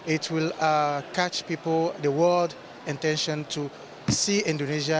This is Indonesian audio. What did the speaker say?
itu akan mencari kemampuan orang di dunia untuk melihat indonesia